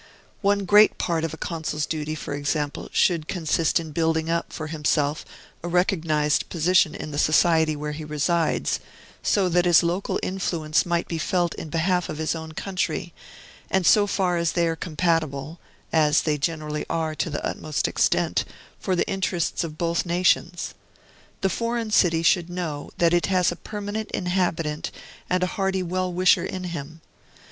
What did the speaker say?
One great part of a consul's duty, for example, should consist in building up for himself a recognized position in the society where he resides, so that his local influence might be felt in behalf of his own country, and, so far as they are compatible (as they generally are to the utmost extent), for the interests of both nations. The foreign city should know that it has a permanent inhabitant and a hearty well wisher in him.